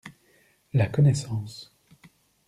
La connaissance.